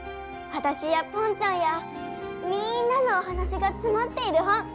わたしやぽんちゃんやみんなのおはなしがつまっている本。